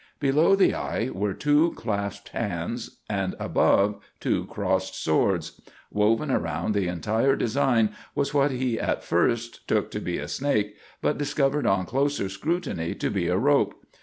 Below the eye were two clasped hands and above, two crossed swords. Woven around the entire design was what he at first took to be a snake, but discovered, on closer scrutiny, to be a rope.